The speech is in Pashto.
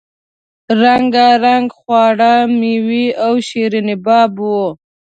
رنګ رنګ خواړه میوې او شیریني باب وو.